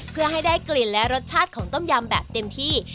เพื่อให้รสชาติของต้มยำแบบเต็มที่